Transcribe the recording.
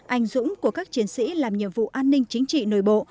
anh dũng của các chiến sĩ làm nhiệm vụ an ninh chính trị nội bộ